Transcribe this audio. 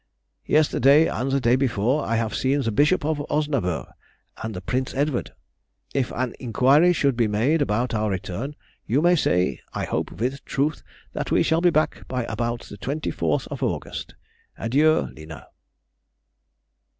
Yesterday and the day before I have seen the Bishop of Osnaburgh and the Prince Edward. If an inquiry should be made about our return, you may say (I hope with truth) that we shall be back by about the 24th of August. Adieu, Lina.